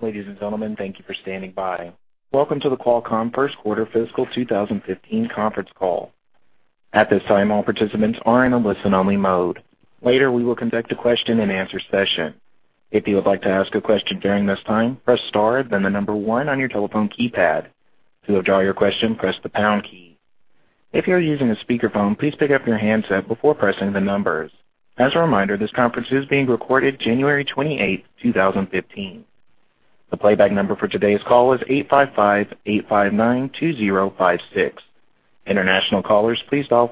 Ladies and gentlemen, thank you for standing by. Welcome to the Qualcomm First Quarter Fiscal 2015 Conference Call. At this time, all participants are in a listen-only mode. Later, we will conduct a question-and-answer session. If you would like to ask a question during this time, press star, then the number one on your telephone keypad. To withdraw your question, press the pound key. If you are using a speakerphone, please pick up your handset before pressing the numbers. As a reminder, this conference is being recorded January 28th, 2015. The playback number for today's call is 855-859-2056. International callers please dial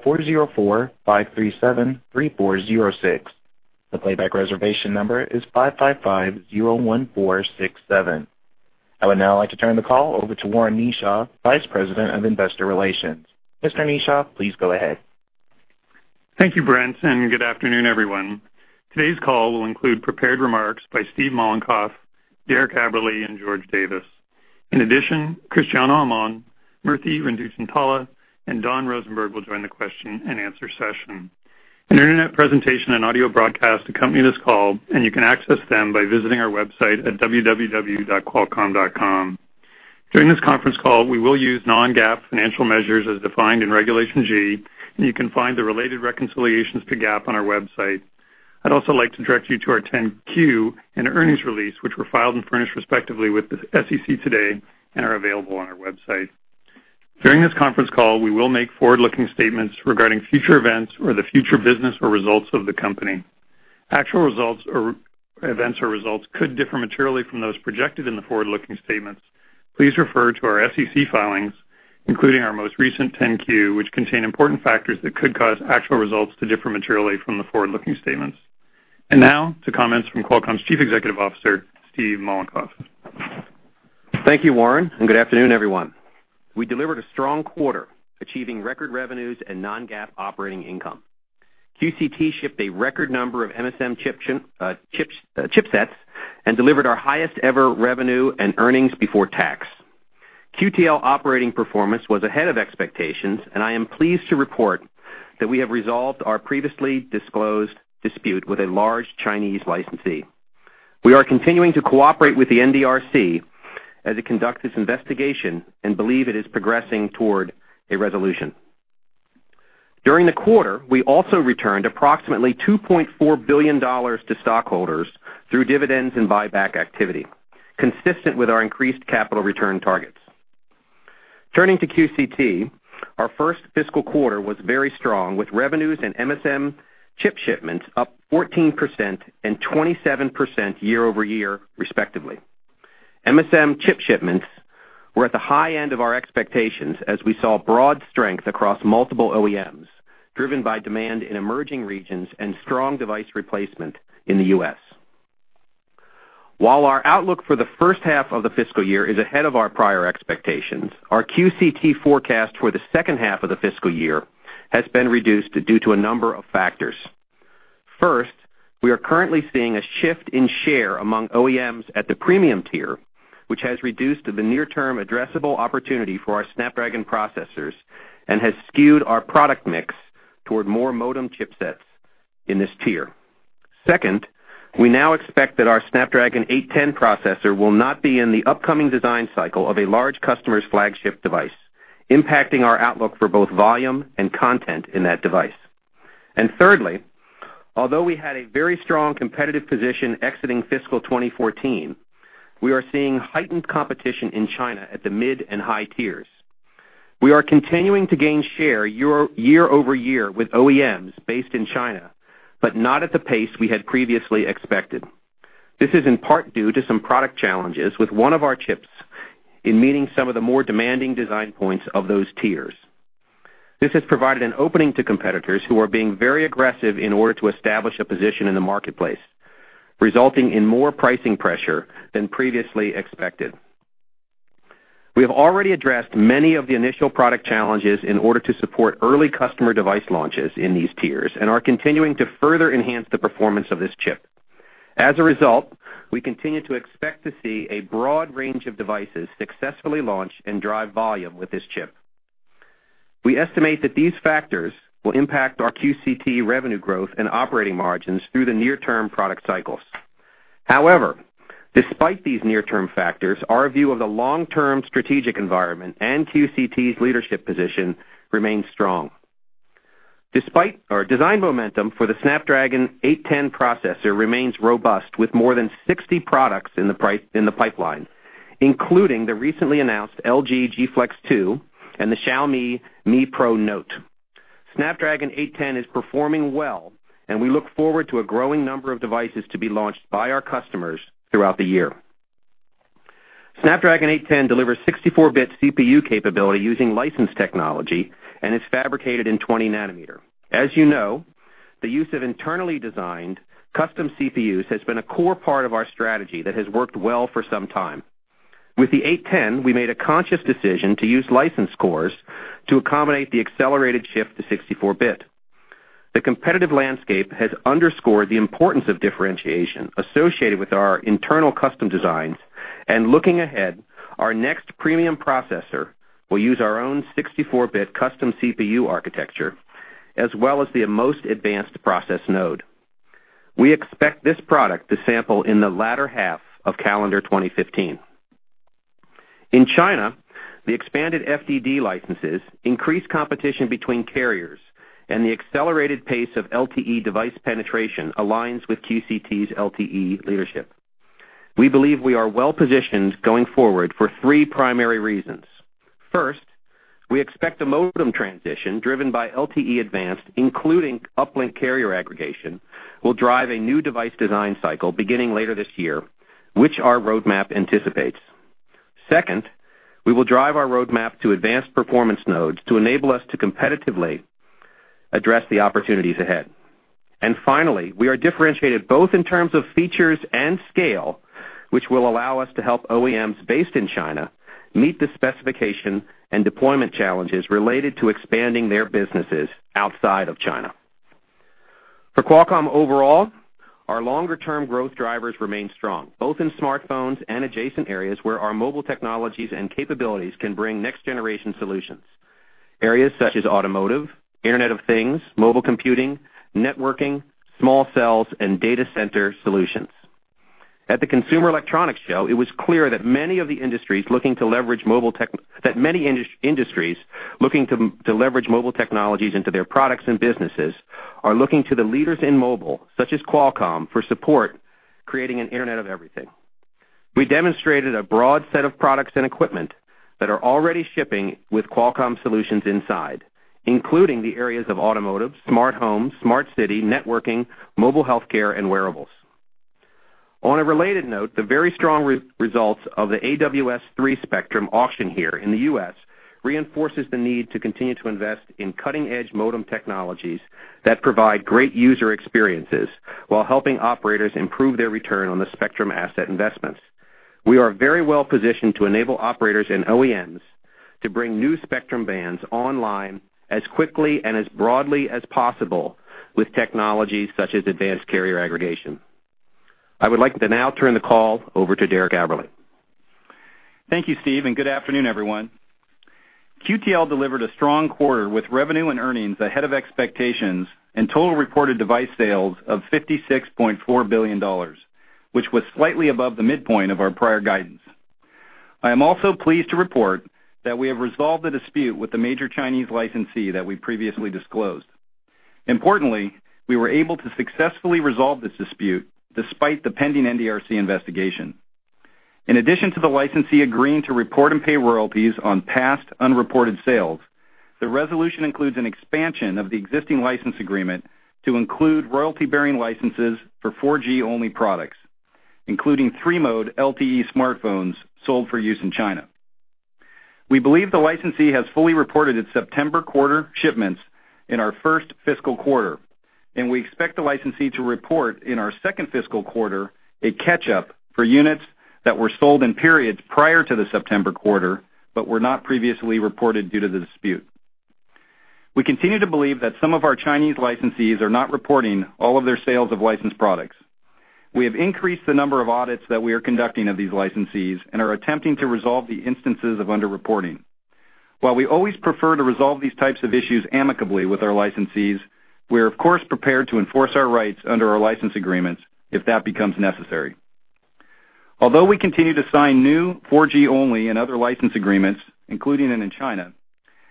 404-537-3406. The playback reservation number is 55501467. I would now like to turn the call over to Warren Kneeshaw, Vice President of Investor Relations. Mr. Kneeshaw, please go ahead. Thank you, Brent. Good afternoon, everyone. Today's call will include prepared remarks by Steve Mollenkopf, Derek Aberle, and George Davis. In addition, Cristiano Amon, Murthy Renduchintala, and Don Rosenberg will join the question-and-answer session. An internet presentation and audio broadcast accompany this call. You can access them by visiting our website at www.qualcomm.com. During this conference call, we will use non-GAAP financial measures as defined in Regulation G, and you can find the related reconciliations to GAAP on our website. I'd also like to direct you to our 10-Q and earnings release, which were filed and furnished respectively with the SEC today and are available on our website. During this conference call, we will make forward-looking statements regarding future events or the future business or results of the company. Actual events or results could differ materially from those projected in the forward-looking statements. Please refer to our SEC filings, including our most recent 10-Q, which contain important factors that could cause actual results to differ materially from the forward-looking statements. Now to comments from Qualcomm's Chief Executive Officer, Steve Mollenkopf. Thank you, Warren. Good afternoon, everyone. We delivered a strong quarter, achieving record revenues and non-GAAP operating income. QCT shipped a record number of MSM chipsets and delivered our highest-ever revenue and earnings before tax. QTL operating performance was ahead of expectations, and I am pleased to report that we have resolved our previously disclosed dispute with a large Chinese licensee. We are continuing to cooperate with the NDRC as it conducts its investigation and believe it is progressing toward a resolution. During the quarter, we also returned approximately $2.4 billion to stockholders through dividends and buyback activity, consistent with our increased capital return targets. Turning to QCT, our first fiscal quarter was very strong, with revenues and MSM chip shipments up 14% and 27% year-over-year, respectively. MSM chip shipments were at the high end of our expectations as we saw broad strength across multiple OEMs, driven by demand in emerging regions and strong device replacement in the U.S. While our outlook for the first half of the fiscal year is ahead of our prior expectations, our QCT forecast for the second half of the fiscal year has been reduced due to a number of factors. First, we are currently seeing a shift in share among OEMs at the premium tier, which has reduced the near-term addressable opportunity for our Snapdragon processors and has skewed our product mix toward more modem chipsets in this tier. Second, we now expect that our Snapdragon 810 processor will not be in the upcoming design cycle of a large customer's flagship device, impacting our outlook for both volume and content in that device. Thirdly, although we had a very strong competitive position exiting fiscal 2014, we are seeing heightened competition in China at the mid and high tiers. We are continuing to gain share year-over-year with OEMs based in China, but not at the pace we had previously expected. This is in part due to some product challenges with one of our chips in meeting some of the more demanding design points of those tiers. This has provided an opening to competitors who are being very aggressive in order to establish a position in the marketplace, resulting in more pricing pressure than previously expected. We have already addressed many of the initial product challenges in order to support early customer device launches in these tiers and are continuing to further enhance the performance of this chip. As a result, we continue to expect to see a broad range of devices successfully launch and drive volume with this chip. We estimate that these factors will impact our QCT revenue growth and operating margins through the near-term product cycles. However, despite these near-term factors, our view of the long-term strategic environment and QCT's leadership position remains strong. Design momentum for the Snapdragon 810 processor remains robust with more than 60 products in the pipeline, including the recently announced LG G Flex 2 and the Xiaomi Mi Note Pro. Snapdragon 810 is performing well, and we look forward to a growing number of devices to be launched by our customers throughout the year. Snapdragon 810 delivers 64-bit CPU capability using licensed technology and is fabricated in 20 nm. As you know, the use of internally designed custom CPUs has been a core part of our strategy that has worked well for some time. With the 810, we made a conscious decision to use licensed cores to accommodate the accelerated shift to 64-bit. The competitive landscape has underscored the importance of differentiation associated with our internal custom designs. Looking ahead, our next premium processor will use our own 64-bit custom CPU architecture as well as the most advanced process node. We expect this product to sample in the latter half of calendar 2015. In China, the expanded FDD licenses increase competition between carriers, and the accelerated pace of LTE device penetration aligns with QCT's LTE leadership. We believe we are well-positioned going forward for three primary reasons. First, we expect the modem transition driven by LTE Advanced, including uplink carrier aggregation, will drive a new device design cycle beginning later this year, which our roadmap anticipates. Second, we will drive our roadmap to advanced performance nodes to enable us to competitively address the opportunities ahead. Finally, we are differentiated both in terms of features and scale, which will allow us to help OEMs based in China meet the specification and deployment challenges related to expanding their businesses outside of China. For Qualcomm overall, our longer-term growth drivers remain strong, both in smartphones and adjacent areas where our mobile technologies and capabilities can bring next-generation solutions. Areas such as automotive, Internet of Things, mobile computing, networking, small cells, and data center solutions. At the Consumer Electronics Show, it was clear that many industries looking to leverage mobile technologies into their products and businesses are looking to the leaders in mobile, such as Qualcomm, for support, creating an Internet of everything. We demonstrated a broad set of products and equipment that are already shipping with Qualcomm solutions inside, including the areas of automotive, smart home, smart city, networking, mobile healthcare, and wearables. On a related note, the very strong results of the AWS-3 spectrum auction here in the U.S. reinforces the need to continue to invest in cutting-edge modem technologies that provide great user experiences while helping operators improve their return on the spectrum asset investments. We are very well positioned to enable operators and OEMs to bring new spectrum bands online as quickly and as broadly as possible with technologies such as advanced carrier aggregation. I would like to now turn the call over to Derek Aberle. Thank you, Steve, and good afternoon, everyone. QTL delivered a strong quarter with revenue and earnings ahead of expectations and Total Reported Device Sales of $56.4 billion, which was slightly above the midpoint of our prior guidance. I am also pleased to report that we have resolved the dispute with the major Chinese licensee that we previously disclosed. Importantly, we were able to successfully resolve this dispute despite the pending NDRC investigation. In addition to the licensee agreeing to report and pay royalties on past unreported sales, the resolution includes an expansion of the existing license agreement to include royalty-bearing licenses for 4G-only products, including three-mode LTE smartphones sold for use in China. We believe the licensee has fully reported its September quarter shipments in our first fiscal quarter, and we expect the licensee to report in our second fiscal quarter a catch-up for units that were sold in periods prior to the September quarter but were not previously reported due to the dispute. We continue to believe that some of our Chinese licensees are not reporting all of their sales of licensed products. We have increased the number of audits that we are conducting of these licensees and are attempting to resolve the instances of underreporting. While we always prefer to resolve these types of issues amicably with our licensees, we are of course prepared to enforce our rights under our license agreements if that becomes necessary. Although we continue to sign new 4G-only and other license agreements, including in China,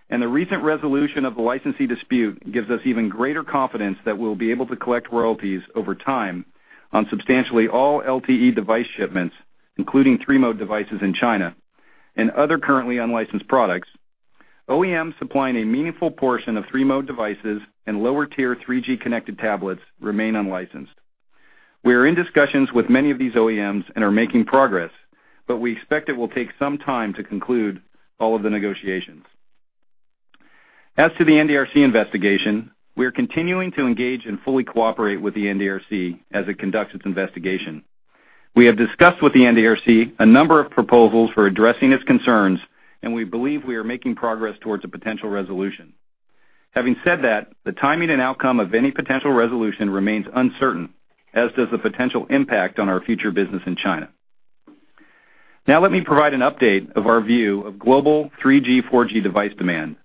and the recent resolution of the licensee dispute gives us even greater confidence that we'll be able to collect royalties over time on substantially all LTE device shipments, including three-mode devices in China and other currently unlicensed products, OEMs supplying a meaningful portion of three-mode devices and lower-tier 3G-connected tablets remain unlicensed. We are in discussions with many of these OEMs and are making progress, but we expect it will take some time to conclude all of the negotiations. As to the NDRC investigation, we are continuing to engage and fully cooperate with the NDRC as it conducts its investigation. We have discussed with the NDRC a number of proposals for addressing its concerns, and we believe we are making progress towards a potential resolution. Having said that, the timing and outcome of any potential resolution remains uncertain, as does the potential impact on our future business in China. Now let me provide an update of our view of global 3G, 4G device demand.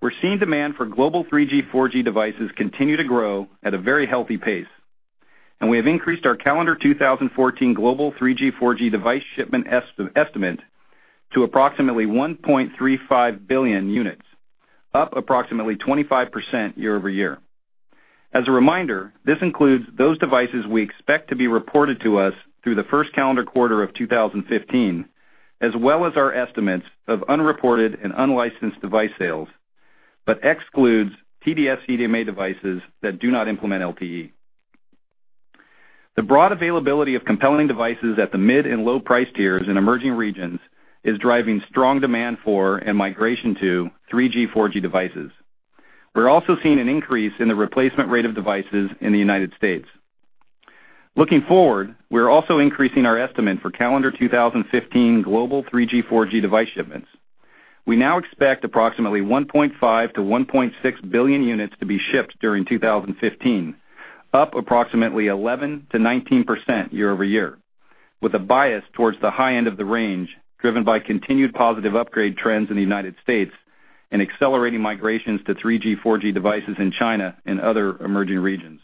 We're seeing demand for global 3G, 4G devices continue to grow at a very healthy pace, and we have increased our calendar 2014 global 3G, 4G device shipment estimate to approximately 1.35 billion units, up approximately 25% year-over-year. As a reminder, this includes those devices we expect to be reported to us through the first calendar quarter of 2015, as well as our estimates of unreported and unlicensed device sales, but excludes TD-SCDMA devices that do not implement LTE. The broad availability of compelling devices at the mid and low price tiers in emerging regions is driving strong demand for and migration to 3G, 4G devices. We're also seeing an increase in the replacement rate of devices in the United States. Looking forward, we are also increasing our estimate for calendar 2015 global 3G, 4G device shipments. We now expect approximately 1.5 billion-1.6 billion units to be shipped during 2015, up approximately 11%-19% year-over-year, with a bias towards the high end of the range, driven by continued positive upgrade trends in the United States and accelerating migrations to 3G, 4G devices in China and other emerging regions.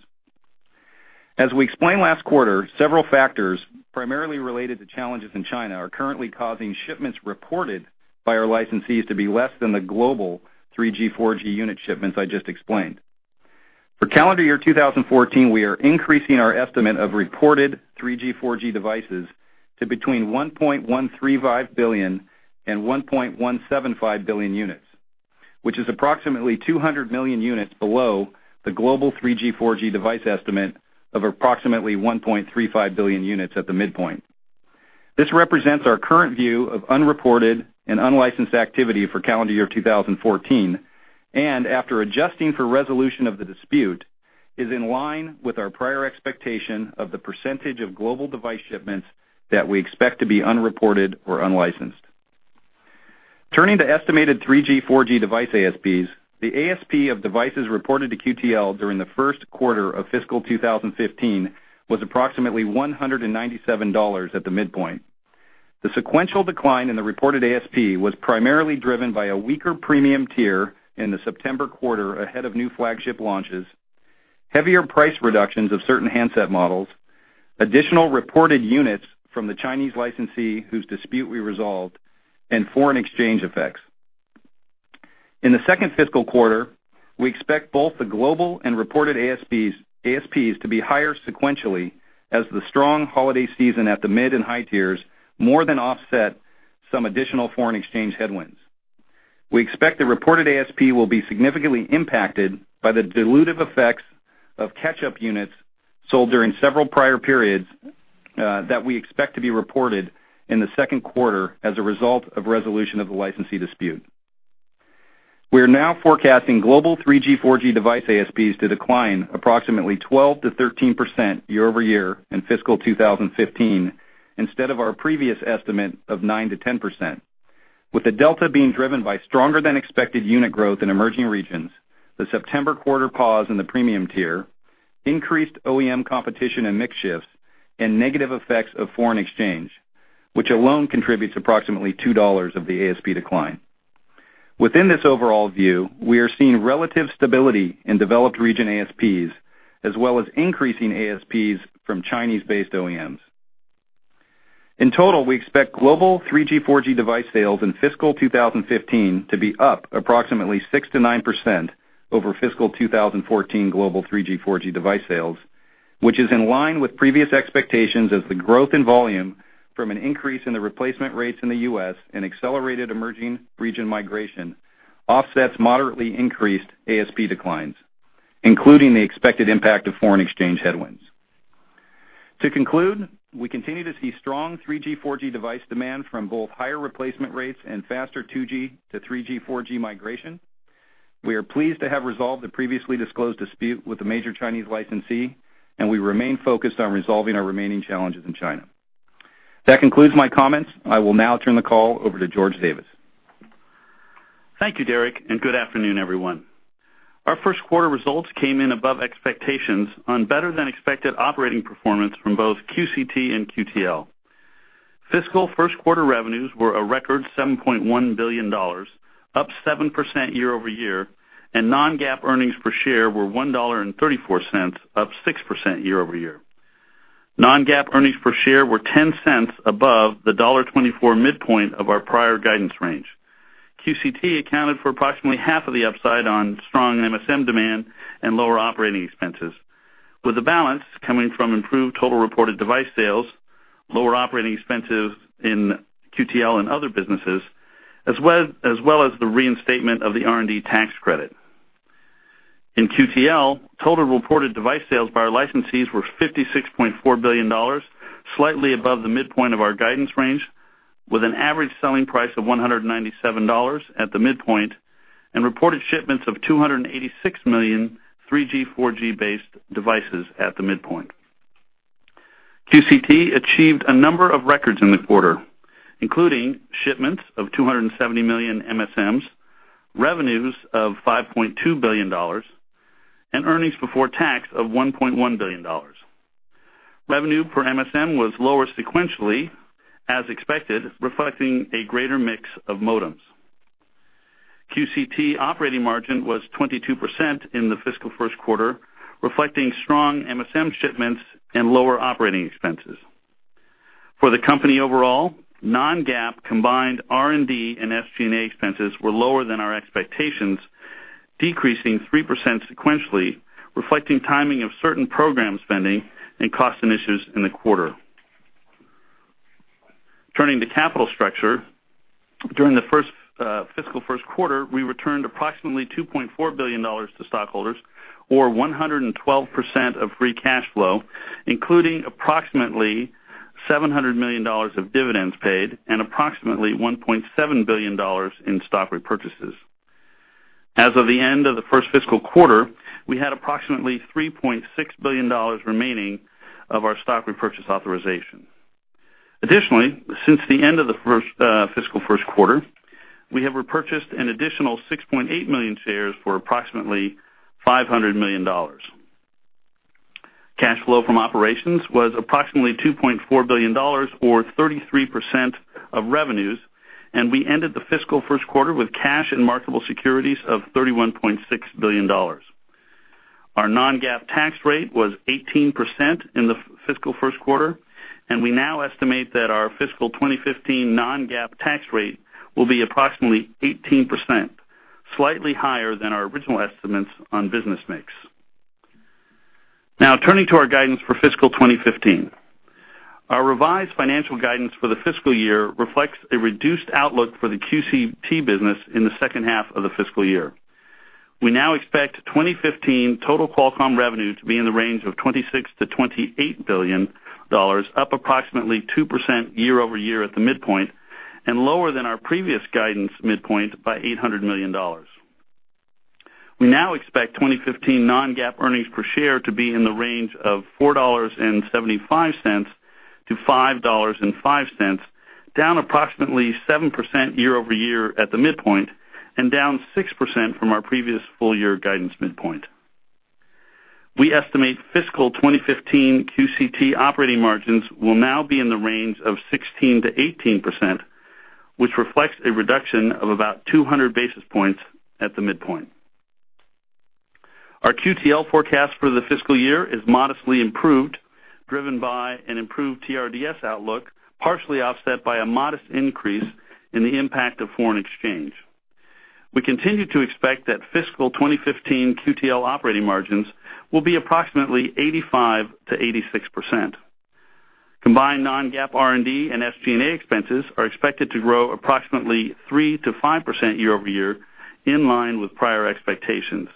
As we explained last quarter, several factors, primarily related to challenges in China, are currently causing shipments reported by our licensees to be less than the global 3G, 4G unit shipments I just explained. For calendar year 2014, we are increasing our estimate of reported 3G, 4G devices to between 1.135 billion and 1.175 billion units, which is approximately 200 million units below the global 3G, 4G device estimate of approximately 1.35 billion units at the midpoint. This represents our current view of unreported and unlicensed activity for calendar year 2014, and after adjusting for resolution of the dispute, is in line with our prior expectation of the percentage of global device shipments that we expect to be unreported or unlicensed. Turning to estimated 3G, 4G device ASPs, the ASP of devices reported to QTL during the first quarter of fiscal 2015 was approximately $197 at the midpoint. The sequential decline in the reported ASP was primarily driven by a weaker premium tier in the September quarter ahead of new flagship launches, heavier price reductions of certain handset models, additional reported units from the Chinese licensee whose dispute we resolved, and foreign exchange effects. In the second fiscal quarter, we expect both the global and reported ASPs to be higher sequentially as the strong holiday season at the mid and high tiers more than offset some additional foreign exchange headwinds. We expect the reported ASP will be significantly impacted by the dilutive effects of catch-up units sold during several prior periods that we expect to be reported in the second quarter as a result of resolution of the licensee dispute. We are now forecasting global 3G, 4G device ASPs to decline approximately 12%-13% year-over-year in fiscal 2015, instead of our previous estimate of 9%-10%, with the delta being driven by stronger than expected unit growth in emerging regions, the September quarter pause in the premium tier, increased OEM competition and mix shifts, and negative effects of foreign exchange, which alone contributes approximately $2 of the ASP decline. Within this overall view, we are seeing relative stability in developed region ASPs, as well as increasing ASPs from Chinese-based OEMs. In total, we expect global 3G, 4G device sales in fiscal 2015 to be up approximately 6%-9% over fiscal 2014 global 3G, 4G device sales, which is in line with previous expectations as the growth in volume from an increase in the replacement rates in the U.S. and accelerated emerging region migration offsets moderately increased ASP declines, including the expected impact of foreign exchange headwinds. To conclude, we continue to see strong 3G, 4G device demand from both higher replacement rates and faster 2G-3G, 4G migration. We are pleased to have resolved the previously disclosed dispute with the major Chinese licensee, and we remain focused on resolving our remaining challenges in China. That concludes my comments. I will now turn the call over to George Davis. Thank you, Derek, good afternoon, everyone. Our first quarter results came in above expectations on better-than-expected operating performance from both QCT and QTL. Fiscal first quarter revenues were a record $7.1 billion, up 7% year-over-year, and non-GAAP earnings per share were $1.34, up 6% year-over-year. Non-GAAP earnings per share were $0.10 above the $1.24 midpoint of our prior guidance range. QCT accounted for approximately half of the upside on strong MSM demand and lower operating expenses, with the balance coming from improved Total Reported Device Sales, lower operating expenses in QTL and other businesses, as well as the reinstatement of the R&D tax credit. In QTL, Total Reported Device Sales by our licensees were $56.4 billion, slightly above the midpoint of our guidance range, with an average selling price of $197 at the midpoint, and reported shipments of 286 million 3G, 4G-based devices at the midpoint. QCT achieved a number of records in the quarter, including shipments of 270 million MSMs, revenues of $5.2 billion and earnings before tax of $1.1 billion. Revenue per MSM was lower sequentially, as expected, reflecting a greater mix of modems. QCT operating margin was 22% in the fiscal first quarter, reflecting strong MSM shipments and lower operating expenses. For the company overall, non-GAAP combined R&D and SG&A expenses were lower than our expectations, decreasing 3% sequentially, reflecting timing of certain program spending and cost initiatives in the quarter. Turning to capital structure. During the fiscal first quarter, we returned approximately $2.4 billion to stockholders, or 112% of free cash flow, including approximately $700 million of dividends paid and approximately $1.7 billion in stock repurchases. As of the end of the first fiscal quarter, we had approximately $3.6 billion remaining of our stock repurchase authorization. Additionally, since the end of the fiscal first quarter, we have repurchased an additional 6.8 million shares for approximately $500 million. Cash flow from operations was approximately $2.4 billion, or 33% of revenues, and we ended the fiscal first quarter with cash and marketable securities of $31.6 billion. Our non-GAAP tax rate was 18% in the fiscal first quarter, and we now estimate that our fiscal 2015 non-GAAP tax rate will be approximately 18%, slightly higher than our original estimates on business mix. Now turning to our guidance for fiscal 2015. Our revised financial guidance for the fiscal year reflects a reduced outlook for the QCT business in the second half of the fiscal year. We now expect 2015 total Qualcomm revenue to be in the range of $26 billion-$28 billion, up approximately 2% year-over-year at the midpoint, lower than our previous guidance midpoint by $800 million. We now expect 2015 non-GAAP earnings per share to be in the range of $4.75-$5.05, down approximately 7% year-over-year at the midpoint, down 6% from our previous full year guidance midpoint. We estimate fiscal 2015 QCT operating margins will now be in the range of 16%-18%, which reflects a reduction of about 200 basis points at the midpoint. Our QTL forecast for the fiscal year is modestly improved, driven by an improved TRDS outlook, partially offset by a modest increase in the impact of foreign exchange. We continue to expect that fiscal 2015 QTL operating margins will be approximately 85%-86%. Combined non-GAAP R&D and SG&A expenses are expected to grow approximately 3%-5% year-over-year, in line with prior expectations.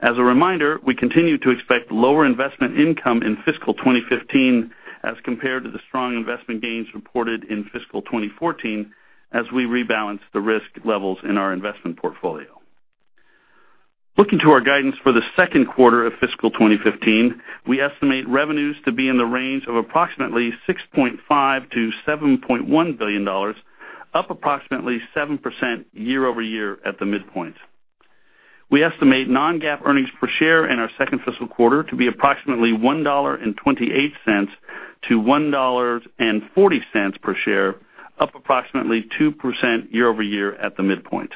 As a reminder, we continue to expect lower investment income in fiscal 2015 as compared to the strong investment gains reported in fiscal 2014, as we rebalance the risk levels in our investment portfolio. Looking to our guidance for the second quarter of fiscal 2015, we estimate revenues to be in the range of approximately $6.5 billion-$7.1 billion, up approximately 7% year-over-year at the midpoint. We estimate non-GAAP earnings per share in our second fiscal quarter to be approximately $1.28-$1.40 per share, up approximately 2% year-over-year at the midpoint.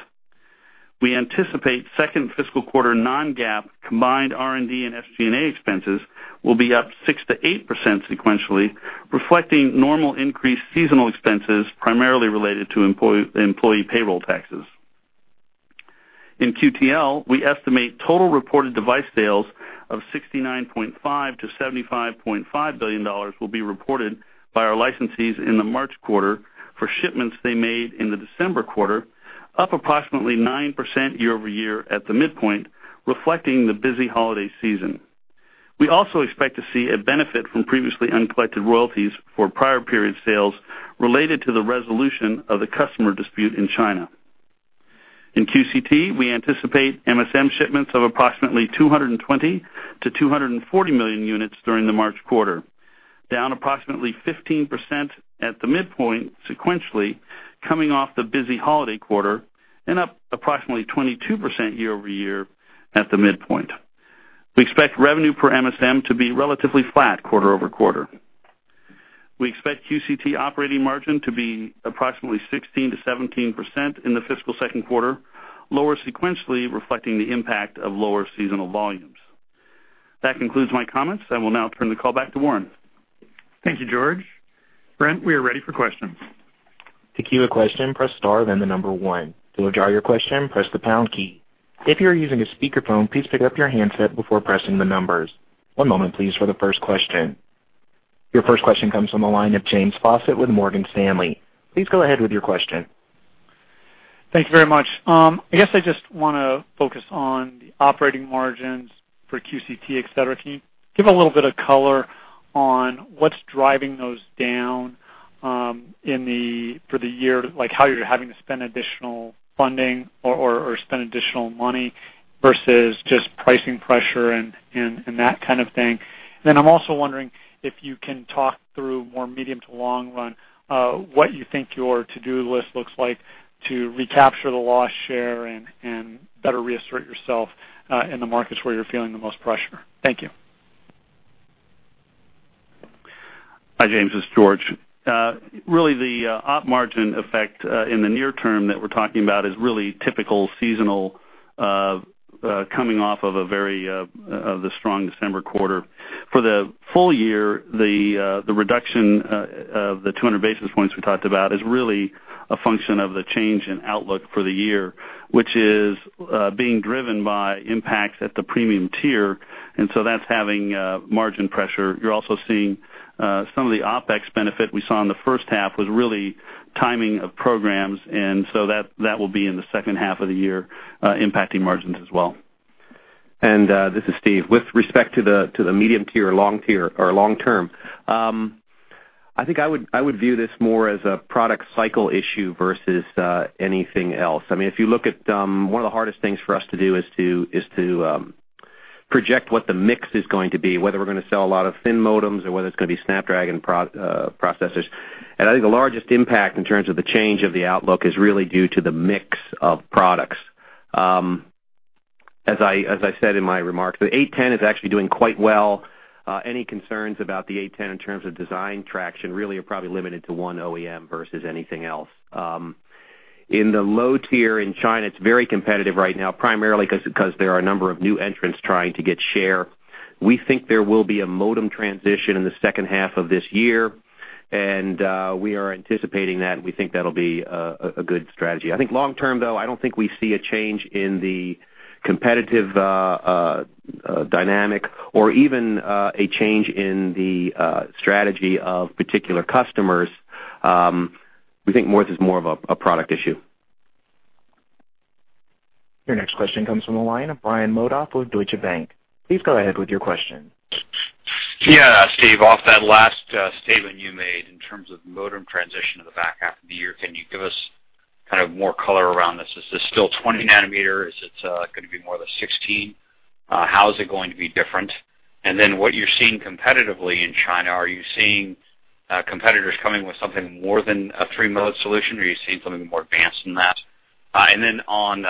We anticipate second fiscal quarter non-GAAP combined R&D and SG&A expenses will be up 6%-8% sequentially, reflecting normal increased seasonal expenses, primarily related to employee payroll taxes. In QTL, we estimate Total Reported Device Sales of $69.5 billion-$75.5 billion will be reported by our licensees in the March quarter for shipments they made in the December quarter, up approximately 9% year-over-year at the midpoint, reflecting the busy holiday season. We also expect to see a benefit from previously uncollected royalties for prior period sales related to the resolution of the customer dispute in China. In QCT, we anticipate MSM shipments of approximately 220 million-240 million units during the March quarter, down approximately 15% at the midpoint sequentially, coming off the busy holiday quarter, and up approximately 22% year-over-year at the midpoint. We expect revenue per MSM to be relatively flat quarter-over-quarter. We expect QCT operating margin to be approximately 16%-17% in the fiscal second quarter, lower sequentially, reflecting the impact of lower seasonal volumes. That concludes my comments. I will now turn the call back to Warren. Thank you, George. Brent, we are ready for questions. To queue a question, press star, then the number one. To withdraw your question, press the pound key. If you are using a speakerphone, please pick up your handset before pressing the numbers. One moment please for the first question. Your first question comes from the line of James Faucette with Morgan Stanley. Please go ahead with your question. Thank you very much. I guess I just want to focus on the operating margins for QCT, et cetera. Can you give a little bit of color on what's driving those down for the year, like how you're having to spend additional funding or spend additional money versus just pricing pressure and that kind of thing? I'm also wondering if you can talk through more medium to long run, what you think your to-do list looks like to recapture the lost share and better reassert yourself, in the markets where you're feeling the most pressure. Thank you. Hi, James, this is George. Really the Op margin effect, in the near term that we're talking about is really typical seasonal, coming off of the strong December quarter. For the full year, the reduction of the 200 basis points we talked about is really a function of the change in outlook for the year, which is being driven by impacts at the premium tier, that's having margin pressure. You're also seeing some of the OpEx benefit we saw in the first half was really timing of programs, that will be in the second half of the year, impacting margins as well. This is Steve. With respect to the medium tier or long term, I think I would view this more as a product cycle issue versus anything else. One of the hardest things for us to do is to project what the mix is going to be, whether we're going to sell a lot of thin modems or whether it's going to be Snapdragon processors. I think the largest impact in terms of the change of the outlook is really due to the mix of products. As I said in my remarks, the 810 is actually doing quite well. Any concerns about the 810 in terms of design traction really are probably limited to one OEM versus anything else. In the low tier in China, it's very competitive right now, primarily because there are a number of new entrants trying to get share. We think there will be a modem transition in the second half of this year. We are anticipating that. We think that'll be a good strategy. I think long term, though, I don't think we see a change in the competitive dynamic or even a change in the strategy of particular customers. We think this is more of a product issue. Your next question comes from the line of Brian Modoff with Deutsche Bank. Please go ahead with your question. Steve, off that last statement you made in terms of modem transition in the back half of the year, can you give us more color around this? Is this still 20 nm? Is it going to be more the 16? How is it going to be different? What you're seeing competitively in China, are you seeing competitors coming with something more than a three-mode solution, or are you seeing something more advanced than that? On,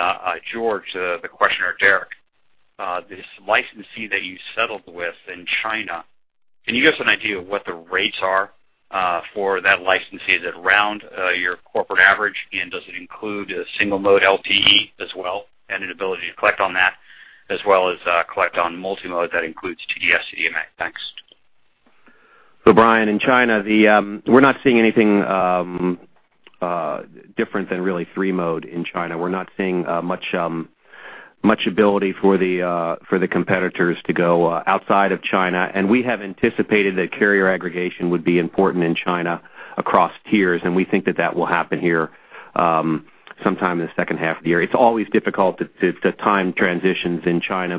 George, the questioner, Derek, this licensee that you settled with in China, can you give us an idea of what the rates are for that licensee? Is it around your corporate average, and does it include a single mode LTE as well, and an ability to collect on that as well as collect on multi-mode that includes TD-SCDMA? Thanks. Brian, in China, we're not seeing anything different than really three mode in China. We're not seeing much ability for the competitors to go outside of China. We have anticipated that carrier aggregation would be important in China across tiers. We think that that will happen here sometime in the second half of the year. It's always difficult to time transitions in China.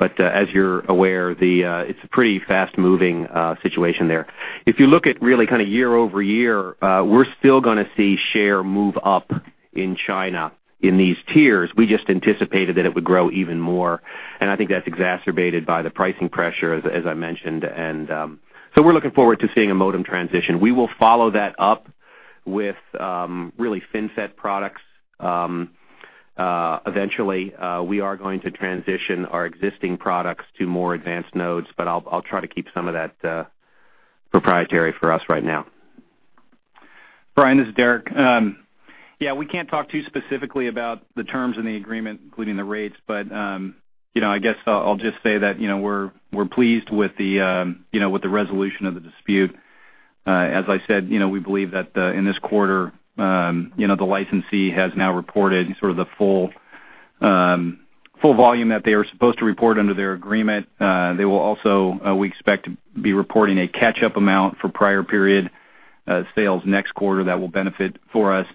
As you're aware, it's a pretty fast-moving situation there. If you look at really year-over-year, we're still going to see share move up in China in these tiers. We just anticipated that it would grow even more. I think that's exacerbated by the pricing pressure, as I mentioned. We're looking forward to seeing a modem transition. We will follow that up with really FinFET products. Eventually, we are going to transition our existing products to more advanced nodes, but I'll try to keep some of that proprietary for us right now. Brian, this is Derek. Yeah, we can't talk too specifically about the terms in the agreement, including the rates. I guess I'll just say that we're pleased with the resolution of the dispute. As I said, we believe that in this quarter the licensee has now reported sort of the full volume that they were supposed to report under their agreement. They will also, we expect, be reporting a catch-up amount for prior period sales next quarter that will benefit for us.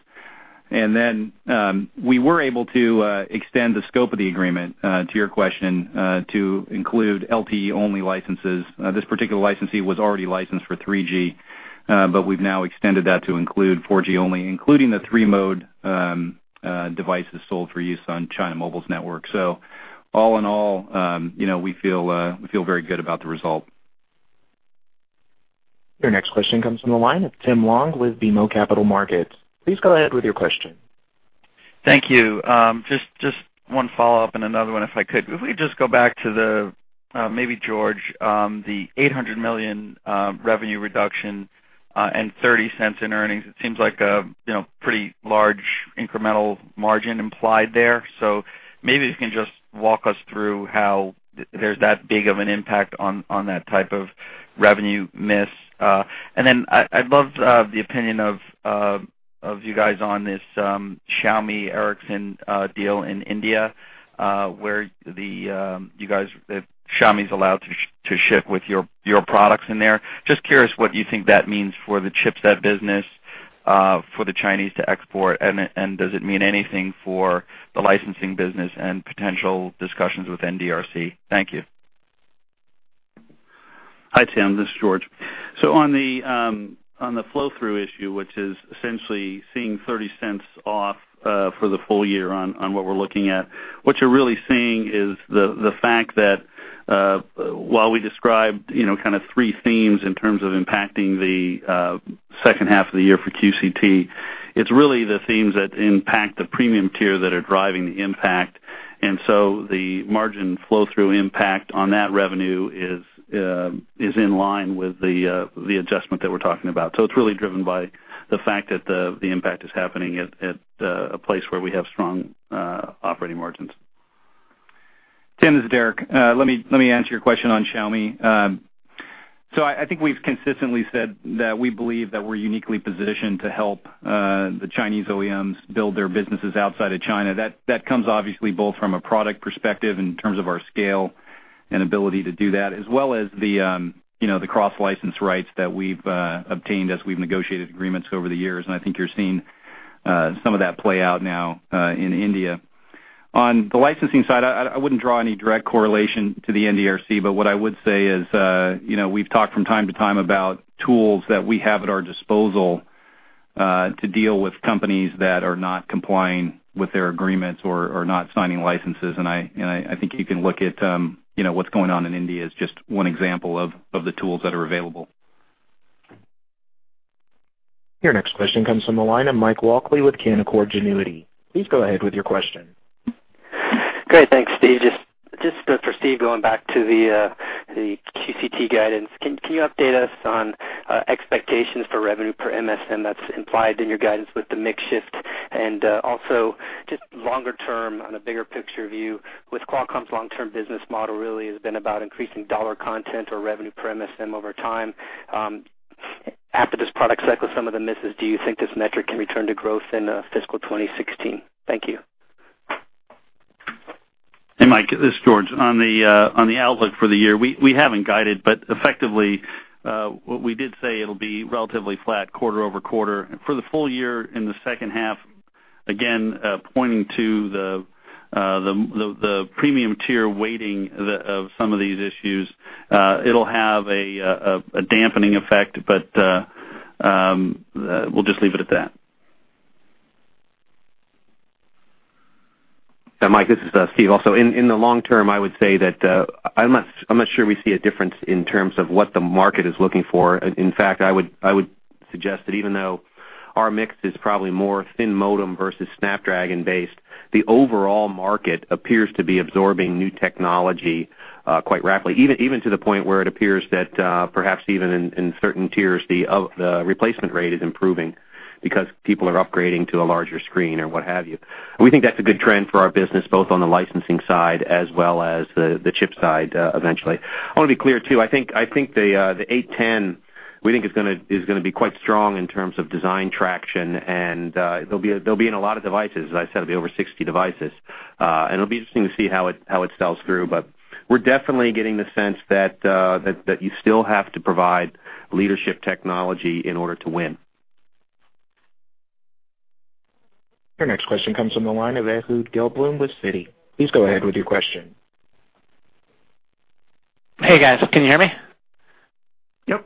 We were able to extend the scope of the agreement, to your question, to include LTE-only licenses. This particular licensee was already licensed for 3G, but we've now extended that to include 4G only, including the three-mode devices sold for use on China Mobile's network. All in all, we feel very good about the result. Your next question comes from the line of Tim Long with BMO Capital Markets. Please go ahead with your question. Thank you. Just one follow-up and another one if I could. If we just go back to the, maybe George, the $800 million revenue reduction and $0.30 in earnings, it seems like a pretty large incremental margin implied there. Maybe if you can just walk us through how there's that big of an impact on that type of revenue miss. I'd love the opinion of you guys on this Xiaomi Ericsson deal in India, where Xiaomi's allowed to ship with your products in there. Just curious what you think that means for the chipset business for the Chinese to export, and does it mean anything for the licensing business and potential discussions with NDRC? Thank you. Hi, Tim. This is George. On the flow-through issue, which is essentially seeing $0.30 off for the full year on what we're looking at, what you're really seeing is the fact that while we described kind of three themes in terms of impacting the second half of the year for QCT, it's really the themes that impact the premium tier that are driving the impact, the margin flow-through impact on that revenue is in line with the adjustment that we're talking about. It's really driven by the fact that the impact is happening at a place where we have strong operating margins. Tim, this is Derek. Let me answer your question on Xiaomi. I think we've consistently said that we believe that we're uniquely positioned to help the Chinese OEMs build their businesses outside of China. That comes obviously both from a product perspective in terms of our scale and ability to do that, as well as the cross-license rights that we've obtained as we've negotiated agreements over the years, I think you're seeing Some of that play out now in India. On the licensing side, I wouldn't draw any direct correlation to the NDRC, but what I would say is we've talked from time to time about tools that we have at our disposal to deal with companies that are not complying with their agreements or are not signing licenses. I think you can look at what's going on in India as just one example of the tools that are available. Your next question comes from the line of Mike Walkley with Canaccord Genuity. Please go ahead with your question. Great. Thanks, Steve. Just for Steve, going back to the QCT guidance, can you update us on expectations for revenue per MSM that's implied in your guidance with the mix shift? Also, just longer term, on a bigger picture view, with Qualcomm's long-term business model really has been about increasing dollar content or revenue per MSM over time. After this product cycle, some of the misses, do you think this metric can return to growth in fiscal 2016? Thank you. Hey, Mike, this is George. On the outlook for the year, we haven't guided, but effectively, what we did say, it'll be relatively flat quarter-over-quarter. For the full year in the second half, again, pointing to the premium tier weighting of some of these issues, it'll have a dampening effect, but we'll just leave it at that. Yeah, Mike, this is Steve. In the long term, I would say that I'm not sure we see a difference in terms of what the market is looking for. In fact, I would suggest that even though our mix is probably more thin modem versus Snapdragon based, the overall market appears to be absorbing new technology quite rapidly. Even to the point where it appears that perhaps even in certain tiers, the replacement rate is improving because people are upgrading to a larger screen or what have you. We think that's a good trend for our business, both on the licensing side as well as the chip side eventually. I want to be clear, too. I think the 810, we think is going to be quite strong in terms of design traction, and they'll be in a lot of devices. As I said, it'll be over 60 devices. It'll be interesting to see how it sells through, but we're definitely getting the sense that you still have to provide leadership technology in order to win. Your next question comes from the line of Ehud Gelblum with Citi. Please go ahead with your question. Hey, guys. Can you hear me? Yep.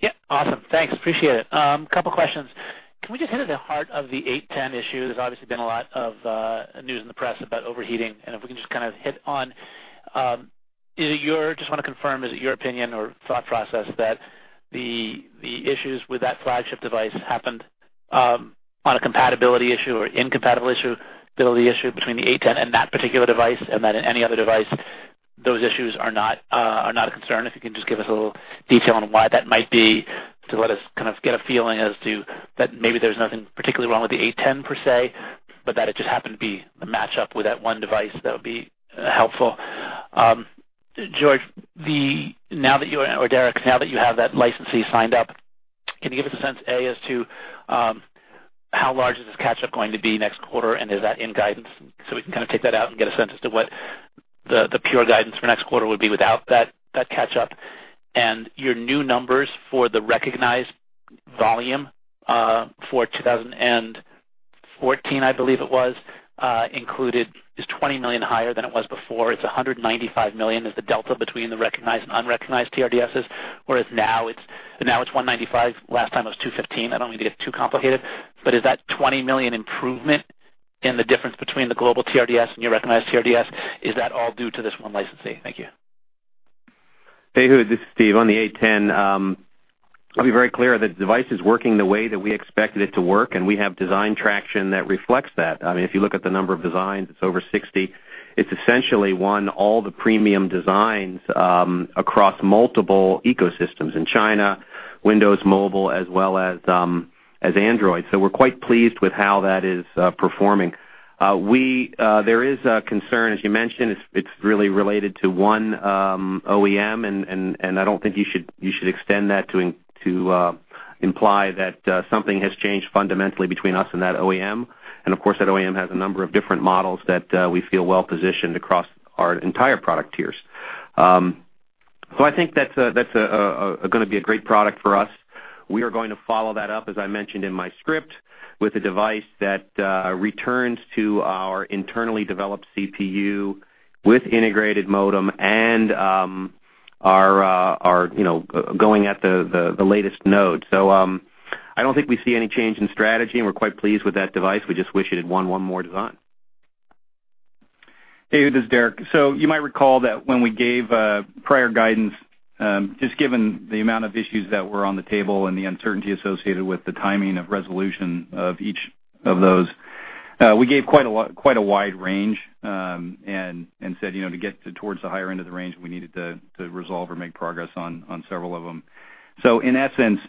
Yeah. Awesome. Thanks, appreciate it. Couple questions. Can we just hit at the heart of the 810 issue? There's obviously been a lot of news in the press about overheating. If we can just hit on, just want to confirm, is it your opinion or thought process that the issues with that flagship device happened on a compatibility issue or incompatibility issue between the 810 and that particular device, that in any other device, those issues are not a concern? If you can just give us a little detail on why that might be to let us kind of get a feeling as to that maybe there's nothing particularly wrong with the 810 per se, it just happened to be a match up with that one device, that would be helpful. George, now that you, or Derek, now that you have that licensee signed up, can you give us a sense, A, as to how large is this catch-up going to be next quarter? Is that in guidance? We can kind of take that out and get a sense as to what the pure guidance for next quarter would be without that catch-up. Your new numbers for the recognized volume for 2014, I believe it was, included is 20 million higher than it was before. It's 195 million is the delta between the recognized and unrecognized TRDSs, whereas now it's 195, last time it was 215. I don't mean to get too complicated. Is that 20 million improvement in the difference between the global TRDS and your recognized TRDS, is that all due to this one licensee? Thank you. Hey, Ehud, this is Steve. On the 810, I'll be very clear that the device is working the way that we expected it to work, and we have design traction that reflects that. If you look at the number of designs, it's over 60. It's essentially won all the premium designs across multiple ecosystems in China, Windows Mobile, as well as Android. We're quite pleased with how that is performing. There is a concern, as you mentioned, it's really related to one OEM, and I don't think you should extend that to imply that something has changed fundamentally between us and that OEM. Of course, that OEM has a number of different models that we feel well-positioned across our entire product tiers. I think that's going to be a great product for us. We are going to follow that up, as I mentioned in my script, with a device that returns to our internally developed CPU with integrated modem and are going at the latest node. I don't think we see any change in strategy, and we're quite pleased with that device. We just wish it had won one more design. Hey, Ehud, this is Derek. You might recall that when we gave prior guidance, just given the amount of issues that were on the table and the uncertainty associated with the timing of resolution of each of those, we gave quite a wide range, and said to get towards the higher end of the range, we needed to resolve or make progress on several of them. In essence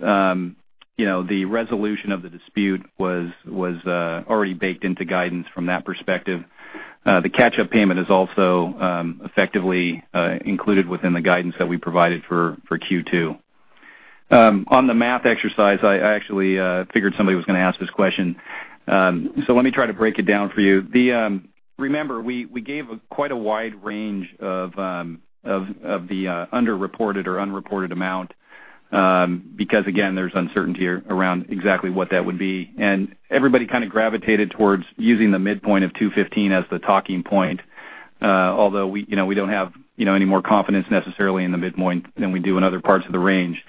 the resolution of the dispute was already baked into guidance from that perspective. The catch-up payment is also effectively included within the guidance that we provided for Q2. On the math exercise, I actually figured somebody was going to ask this question, let me try to break it down for you. Remember, we gave quite a wide range of the underreported or unreported amount Because again, there's uncertainty around exactly what that would be. Everybody kind of gravitated towards using the midpoint of 215 as the talking point, although we don't have any more confidence necessarily in the midpoint than we do in other parts of the range.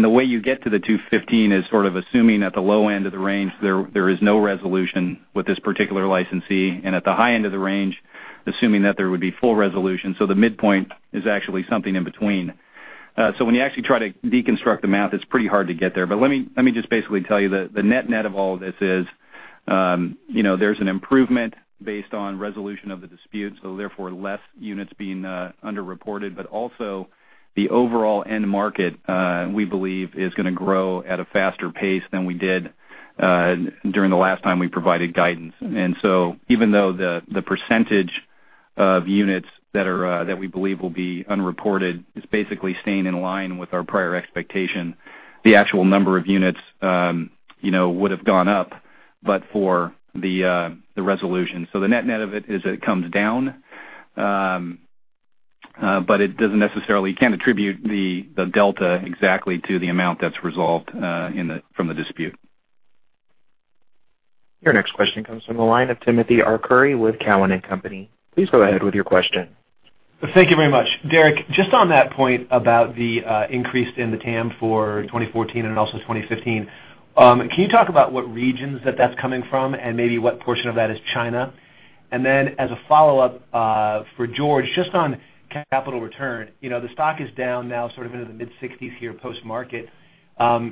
The way you get to the 215 is sort of assuming at the low end of the range, there is no resolution with this particular licensee, and at the high end of the range, assuming that there would be full resolution. The midpoint is actually something in between. When you actually try to deconstruct the math, it's pretty hard to get there. Let me just basically tell you the net-net of all this is there's an improvement based on resolution of the dispute, therefore, less units being under-reported, but also the overall end market, we believe, is going to grow at a faster pace than we did during the last time we provided guidance. Even though the percentage of units that we believe will be unreported is basically staying in line with our prior expectation, the actual number of units would've gone up but for the resolution. The net-net of it is it comes down. You can't attribute the delta exactly to the amount that's resolved from the dispute. Your next question comes from the line of Timothy Arcuri with Cowen and Company. Please go ahead with your question. Thank you very much. Derek, just on that point about the increase in the TAM for 2014 and also 2015, can you talk about what regions that's coming from and maybe what portion of that is China? As a follow-up for George, just on capital return, the stock is down now sort of into the mid-60s here post-market.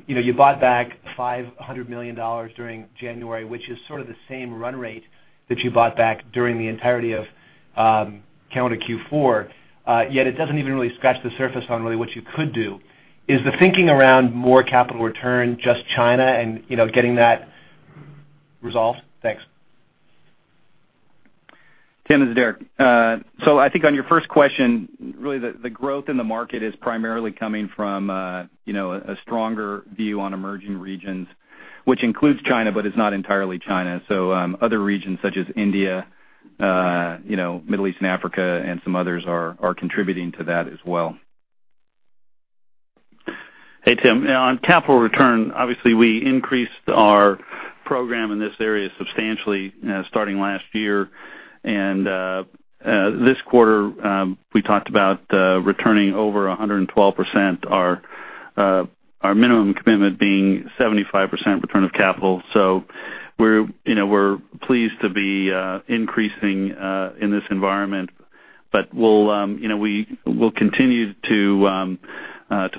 You bought back $500 million during January, which is sort of the same run rate that you bought back during the entirety of calendar Q4. It doesn't even really scratch the surface on really what you could do. Is the thinking around more capital return, just China and getting that resolved? Thanks. Tim, this is Derek. I think on your first question, really the growth in the market is primarily coming from a stronger view on emerging regions, which includes China, but is not entirely China. Other regions such as India, Middle East and Africa, and some others are contributing to that as well. Hey, Tim. On capital return, obviously, we increased our program in this area substantially starting last year, and this quarter, we talked about returning over 112%, our minimum commitment being 75% return of capital. We're pleased to be increasing in this environment, but we will continue to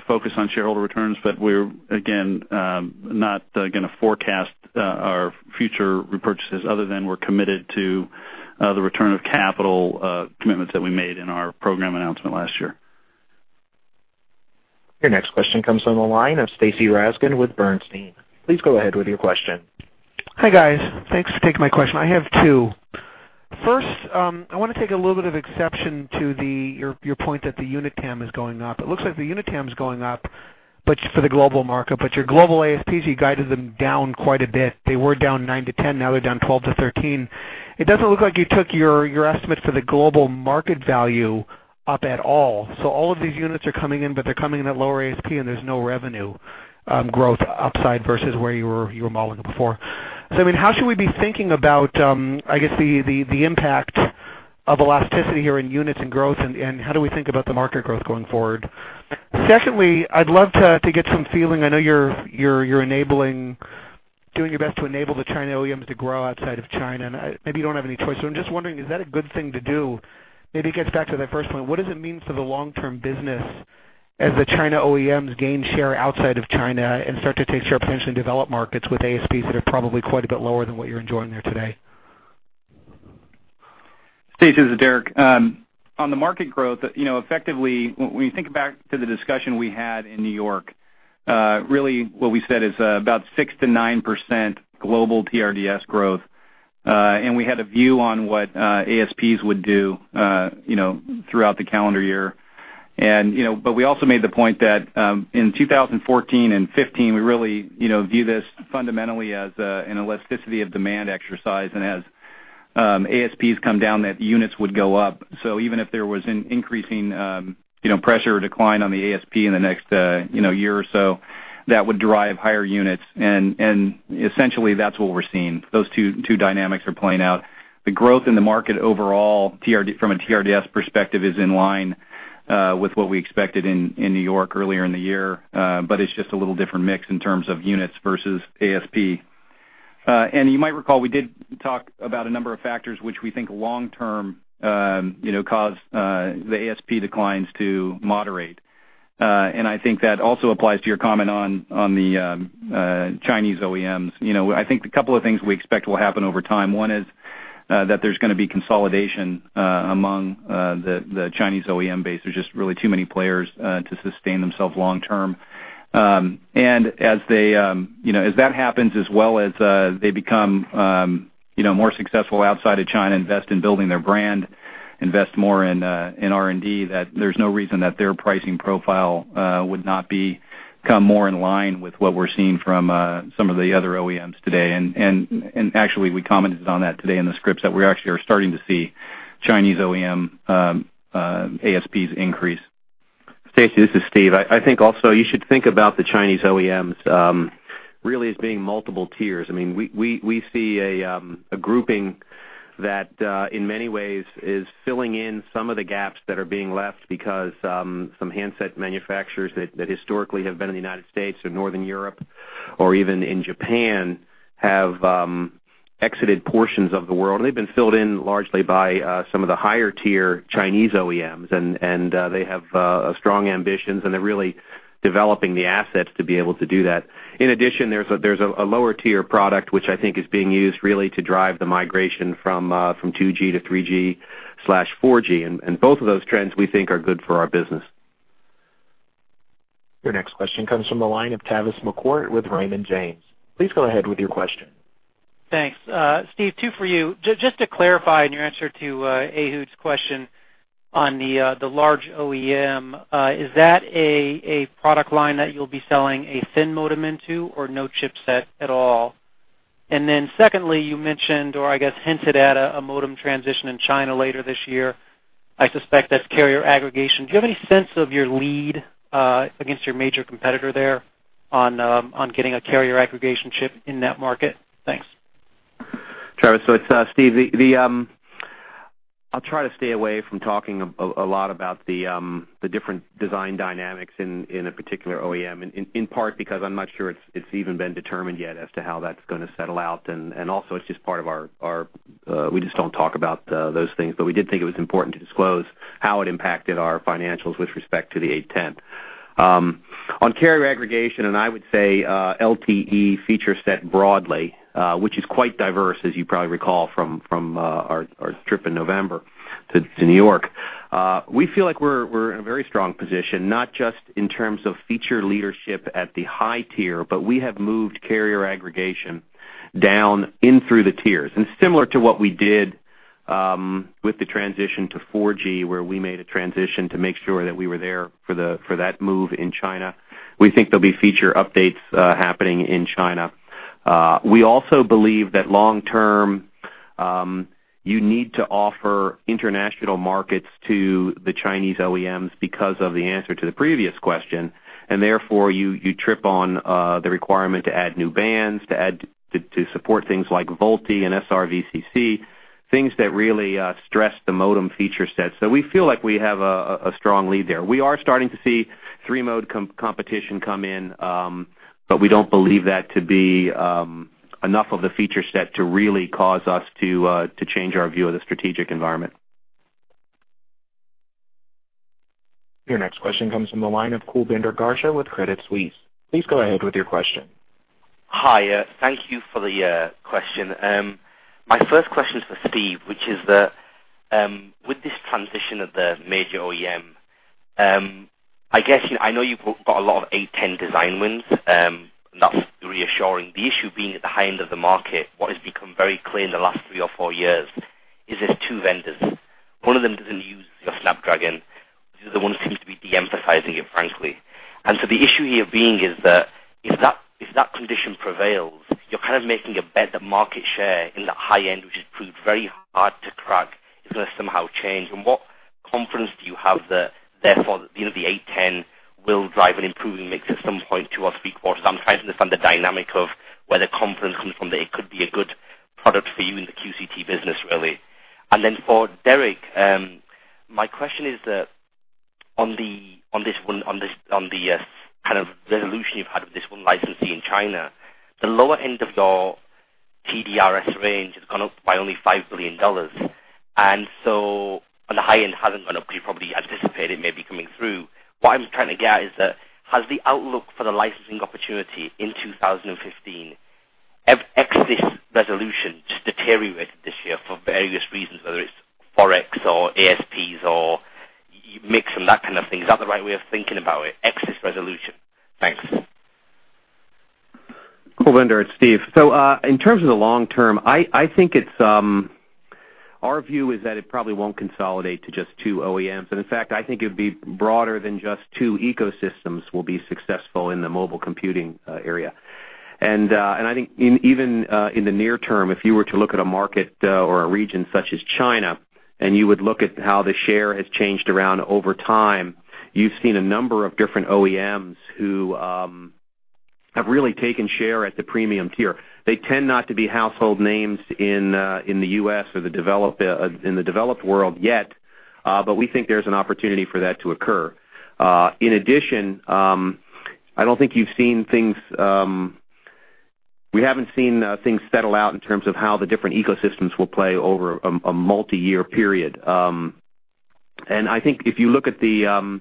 focus on shareholder returns, but we're, again, not going to forecast our future repurchases other than we're committed to the return of capital commitments that we made in our program announcement last year. Your next question comes from the line of Stacy Rasgon with Bernstein. Please go ahead with your question. Hi, guys. Thanks for taking my question. I have two. First, I want to take a little bit of exception to your point that the unit TAM is going up. It looks like the unit TAM is going up, but just for the global market, but your global ASPs, you guided them down quite a bit. They were down nine to 10, now they're down 12-13. It doesn't look like you took your estimates for the global market value up at all. All of these units are coming in, but they're coming in at lower ASP and there's no revenue growth upside versus where you were modeling it before. How should we be thinking about, I guess, the impact of elasticity here in units and growth, and how do we think about the market growth going forward? Secondly, I'd love to get some feeling, I know you're doing your best to enable the China OEMs to grow outside of China, and maybe you don't have any choice. I'm just wondering, is that a good thing to do? Maybe it gets back to that first point. What does it mean for the long-term business as the China OEMs gain share outside of China and start to take share potentially in developed markets with ASPs that are probably quite a bit lower than what you're enjoying there today? Stacy, this is Derek. On the market growth, effectively, when you think back to the discussion we had in New York, really what we said is about 6%-9% global TRDS growth, and we had a view on what ASPs would do throughout the calendar year. We also made the point that in 2014 and 2015, we really view this fundamentally as an elasticity of demand exercise, and as ASPs come down, that units would go up. Even if there was an increasing pressure or decline on the ASP in the next year or so, that would drive higher units, and essentially, that's what we're seeing. Those two dynamics are playing out. The growth in the market overall from a TRDS perspective is in line with what we expected in New York earlier in the year, but it's just a little different mix in terms of units versus ASP. You might recall, we did talk about a number of factors which we think long term cause the ASP declines to moderate. I think that also applies to your comment on the Chinese OEMs. I think a couple of things we expect will happen over time. One is that there's going to be consolidation among the Chinese OEM base. There's just really too many players to sustain themselves long term. As that happens, as well as they become more successful outside of China, invest in building their brand, invest more in R&D, that there's no reason that their pricing profile would not become more in line with what we're seeing from some of the other OEMs today. Actually, we commented on that today in the scripts that we actually are starting to see Chinese OEM ASPs increase. Stacy, this is Steve. I think also you should think about the Chinese OEMs really as being multiple tiers. We see a grouping that in many ways is filling in some of the gaps that are being left because some handset manufacturers that historically have been in the U.S. or Northern Europe, or even in Japan, have exited portions of the world, and they've been filled in largely by some of the higher tier Chinese OEMs, and they have strong ambitions, and they're really developing the assets to be able to do that. In addition, there's a lower tier product, which I think is being used really to drive the migration from 2G-3G, 4G. Both of those trends we think are good for our business. Your next question comes from the line of Tavis McCourt with Raymond James. Please go ahead with your question. Thanks. Steve, two for you. Just to clarify in your answer to Ehud's question on the large OEM, is that a product line that you'll be selling a thin modem into or no chipset at all? Secondly, you mentioned, or I guess hinted at a modem transition in China later this year. I suspect that's carrier aggregation. Do you have any sense of your lead against your major competitor there on getting a carrier aggregation chip in that market? Thanks. Tavis, it's Steve. I'll try to stay away from talking a lot about the different design dynamics in a particular OEM, in part because I'm not sure it's even been determined yet as to how that's gonna settle out, and also we just don't talk about those things, but we did think it was important to disclose how it impacted our financials with respect to the 810. On carrier aggregation, I would say, LTE feature set broadly, which is quite diverse, as you probably recall from our trip in November to New York. We feel like we're in a very strong position, not just in terms of feature leadership at the high tier, but we have moved carrier aggregation down in through the tiers. Similar to what we did with the transition to 4G, where we made a transition to make sure that we were there for that move in China, we think there will be feature updates happening in China. We also believe that long term, you need to offer international markets to the Chinese OEMs because of the answer to the previous question, and therefore, you trip on the requirement to add new bands, to support things like VoLTE and SRVCC, things that really stress the modem feature set. We feel like we have a strong lead there. We are starting to see three-mode competition come in, we don't believe that to be enough of the feature set to really cause us to change our view of the strategic environment. Your next question comes from the line of Kulbinder Garcha with Credit Suisse. Please go ahead with your question. Hi. Thank you for the question. My first question is for Steve, which is that, with this transition of the major OEM, I know you've got a lot of 810 design wins, and that's reassuring. The issue being at the high end of the market, what has become very clear in the last three or four years is there are two vendors. One of them doesn't use your Snapdragon. The other one seems to be de-emphasizing it, frankly. The issue here being is that if that condition prevails, you're kind of making a bet that market share in that high end, which has proved very hard to crack, is going to somehow change. What confidence do you have that therefore the 810 will drive an improving mix at some point two or three quarters? I'm trying to understand the dynamic of where the confidence comes from that it could be a good product for you in the QCT business, really. For Derek, my question is that on the kind of resolution you've had with this one licensee in China, the lower end of your TRDS range has gone up by only $5 billion. On the high end, it hasn't gone up, you probably anticipated maybe coming through. What I'm trying to get at is that has the outlook for the licensing opportunity in 2015, have X's resolution just deteriorated this year for various reasons, whether it's forex or ASPs or mix and that kind of thing? Is that the right way of thinking about it, X's resolution? Thanks. Kulbinder, it's Steve. In terms of the long term, our view is that it probably won't consolidate to just two OEMs, and in fact, I think it'd be broader than just two ecosystems will be successful in the mobile computing area. Even in the near term, if you were to look at a market or a region such as China, and you would look at how the share has changed around over time, you've seen a number of different OEMs who have really taken share at the premium tier. They tend not to be household names in the U.S. or in the developed world yet, but we think there's an opportunity for that to occur. In addition, we haven't seen things settle out in terms of how the different ecosystems will play over a multi-year period. I think if you look at the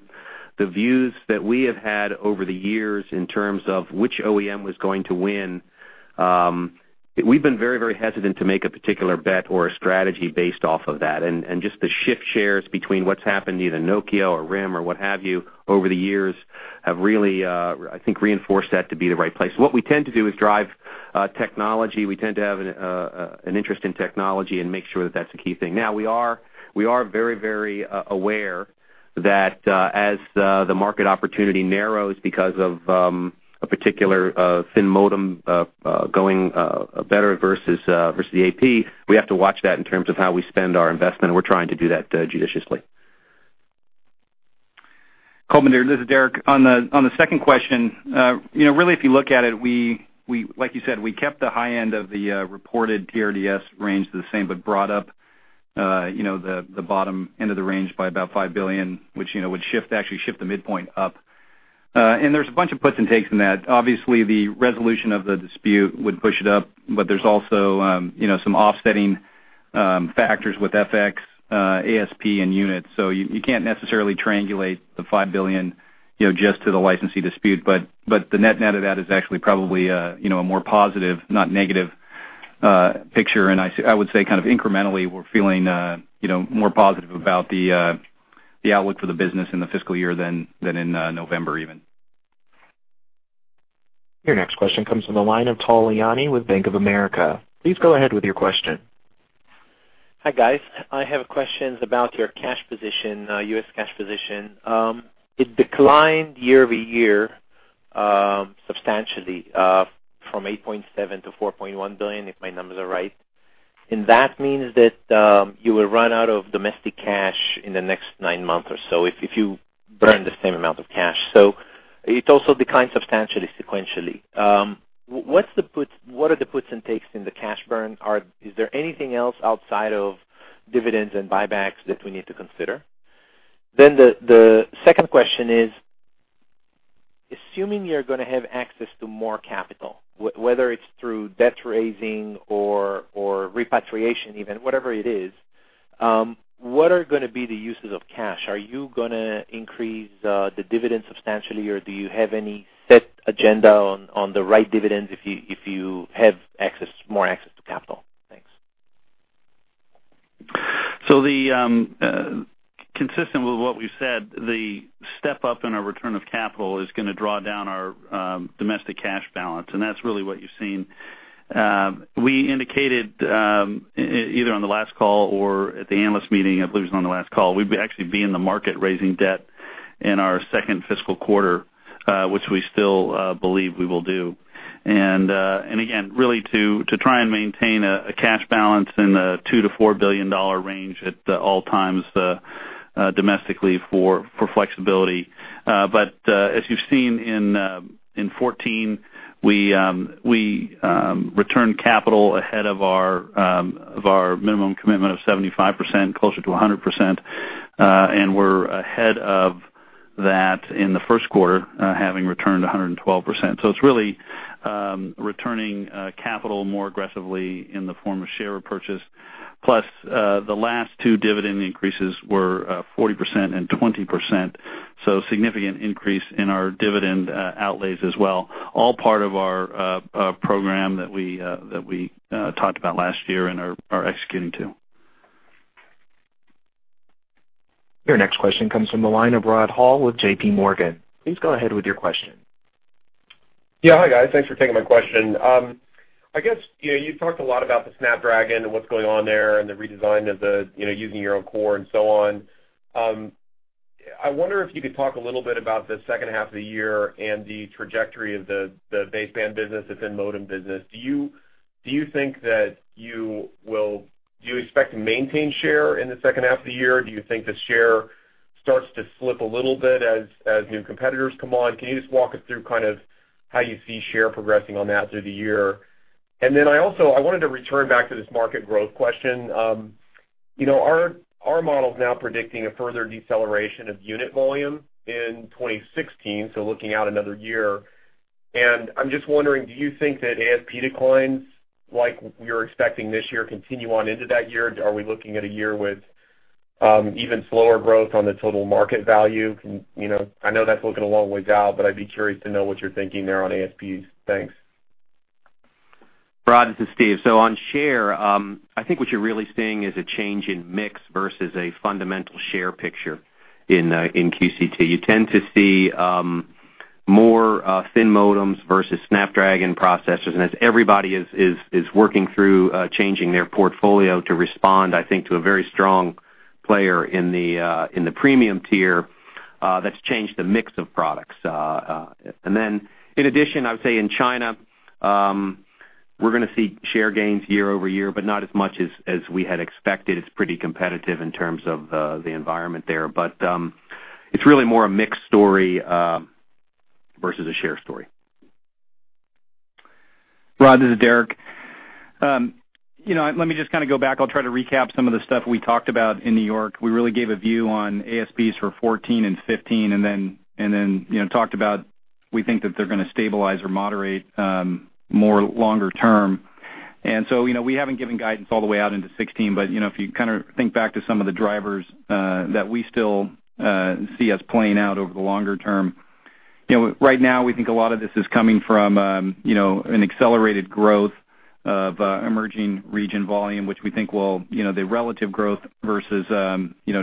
views that we have had over the years in terms of which OEM was going to win, we've been very hesitant to make a particular bet or a strategy based off of that. Just the shift shares between what's happened to either Nokia or RIM or what have you over the years have really, I think reinforced that to be the right place. What we tend to do is drive technology. We tend to have an interest in technology and make sure that that's a key thing. Now we are very aware that as the market opportunity narrows because of a particular thin modem going better versus the AP, we have to watch that in terms of how we spend our investment, and we're trying to do that judiciously. Kulbinder, this is Derek. On the second question, really, if you look at it, like you said, we kept the high end of the reported TRDS range the same, but brought up the bottom end of the range by about $5 billion, which would actually shift the midpoint up. There's a bunch of puts and takes in that. Obviously, the resolution of the dispute would push it up, but there's also some offsetting factors with FX, ASP, and units. You can't necessarily triangulate the $5 billion, just to the licensee dispute. The net out of that is actually probably a more positive, not negative picture. I would say incrementally, we're feeling more positive about the outlook for the business in the fiscal year than in November, even. Your next question comes from the line of Tal Liani with Bank of America. Please go ahead with your question. Hi, guys. I have questions about your cash position, U.S. cash position. It declined year-over-year, substantially, from $8.7 billion-$4.1 billion, if my numbers are right, and that means that you will run out of domestic cash in the next nine months or so if you burn the same amount of cash. It also declined substantially sequentially. What are the puts and takes in the cash burn? Is there anything else outside of dividends and buybacks that we need to consider? The second question is, assuming you're going to have access to more capital, whether it's through debt raising or repatriation even, whatever it is, what are going to be the uses of cash? Are you going to increase the dividend substantially, or do you have any set agenda on the right dividends if you have more access to capital? Thanks. Consistent with what we've said, the step up in our return of capital is going to draw down our domestic cash balance, and that's really what you've seen. We indicated, either on the last call or at the analyst meeting, I believe it was on the last call, we'd actually be in the market raising debt in our second fiscal quarter, which we still believe we will do. Again, really to try and maintain a cash balance in the $2 billion-$4 billion range at all times domestically for flexibility. But as you've seen in 2014, we returned capital ahead of our minimum commitment of 75%, closer to 100%, and we're ahead of that in the first quarter, having returned 112%. It's really returning capital more aggressively in the form of share repurchase. The last two dividend increases were 40% and 20%, significant increase in our dividend outlays as well. All part of our program that we talked about last year and are executing to. Your next question comes from the line of Rod Hall with JP Morgan. Please go ahead with your question. Hi, guys. Thanks for taking my question. I guess, you talked a lot about the Snapdragon and what's going on there and the redesign of using your own core and so on. I wonder if you could talk a little bit about the second half of the year and the trajectory of the baseband business, the thin modem business. Do you expect to maintain share in the second half of the year? Do you think the share starts to slip a little bit as new competitors come on? Can you just walk us through how you see share progressing on that through the year? I also wanted to return back to this market growth question. Our model's now predicting a further deceleration of unit volume in 2016, so looking out another year. I'm just wondering, do you think that ASP declines like we are expecting this year continue on into that year? Are we looking at a year with even slower growth on the total market value? I know that's looking a long ways out, but I'd be curious to know what you're thinking there on ASPs. Thanks. Rod, this is Steve. On share, I think what you're really seeing is a change in mix versus a fundamental share picture in QCT. You tend to see more thin modems versus Snapdragon processors. As everybody is working through changing their portfolio to respond, I think, to a very strong player in the premium tier, that's changed the mix of products. In addition, I would say in China, we're going to see share gains year-over-year, but not as much as we had expected. It's pretty competitive in terms of the environment there. It's really more a mix story versus a share story. Rod, this is Derek. Let me just go back. I'll try to recap some of the stuff we talked about in New York. We really gave a view on ASPs for 2014 and 2015, talked about we think that they're going to stabilize or moderate more longer term. We haven't given guidance all the way out into 2016, but if you think back to some of the drivers that we still see as playing out over the longer term, right now we think a lot of this is coming from an accelerated growth of emerging region volume, which we think the relative growth versus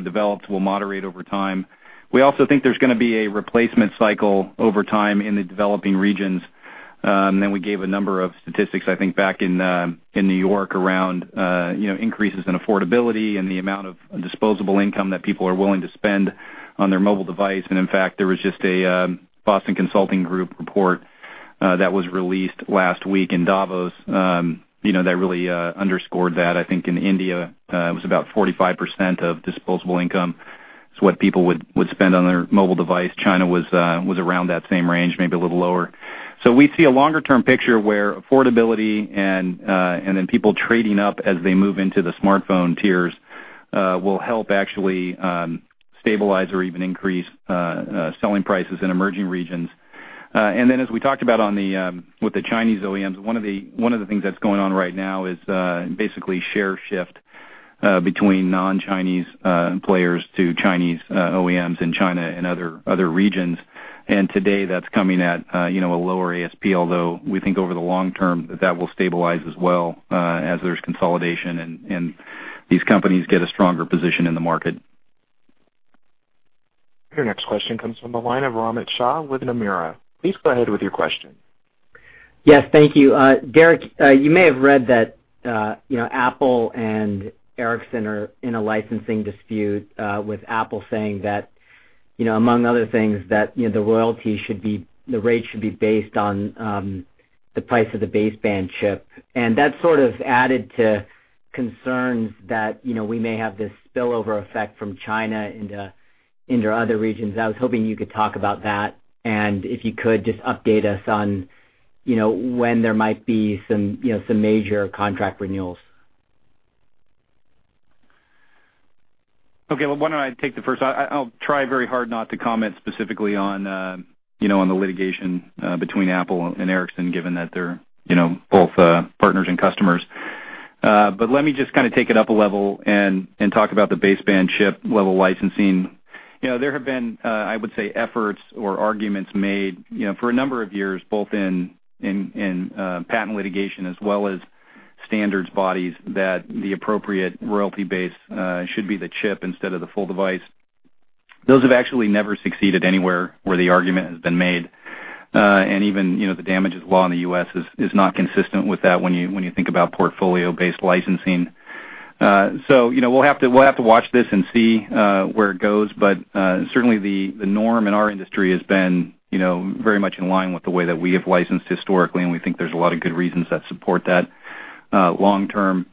developed will moderate over time. We also think there's going to be a replacement cycle over time in the developing regions. We gave a number of statistics, I think, back in New York around increases in affordability and the amount of disposable income that people are willing to spend on their mobile device. In fact, there was just a Boston Consulting Group report that was released last week in Davos that really underscored that. I think in India, it was about 45% of disposable income is what people would spend on their mobile device. China was around that same range, maybe a little lower. We see a longer-term picture where affordability and then people trading up as they move into the smartphone tiers, will help actually stabilize or even increase selling prices in emerging regions. As we talked about with the Chinese OEMs, one of the things that's going on right now is basically share shift between non-Chinese players to Chinese OEMs in China and other regions. Today, that's coming at a lower ASP, although we think over the long term that will stabilize as well, as there's consolidation and these companies get a stronger position in the market. Your next question comes from the line of Romit Shah with Nomura. Please go ahead with your question. Yes, thank you. Derek, you may have read that Apple and Ericsson are in a licensing dispute, with Apple saying that, among other things, that the rates should be based on the price of the baseband chip. That sort of added to concerns that we may have this spillover effect from China into other regions. I was hoping you could talk about that, and if you could just update us on when there might be some major contract renewals. Okay. Well, why don't I take the first? I'll try very hard not to comment specifically on the litigation between Apple and Ericsson given that they're both partners and customers. Let me just take it up a level and talk about the baseband chip level licensing. There have been, I would say, efforts or arguments made for a number of years, both in patent litigation as well as standards bodies, that the appropriate royalty base should be the chip instead of the full device. Those have actually never succeeded anywhere where the argument has been made. Even the damages law in the U.S. is not consistent with that when you think about portfolio-based licensing. We'll have to watch this and see where it goes, but certainly the norm in our industry has been very much in line with the way that we have licensed historically, and we think there's a lot of good reasons that support that long term.